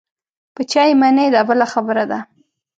په چا یې منې دا بله خبره ده.